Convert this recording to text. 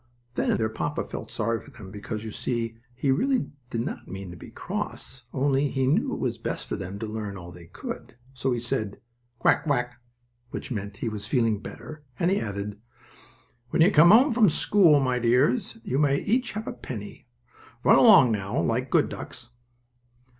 Then their papa felt sorry for them, because, you see, he did not really mean to be cross, only he knew it was best for them to learn all they could. So he said "Quack quack," which meant he was feeling better, and he added: "When you come home, my dears, you may each have a penny. Run along now, like good ducks."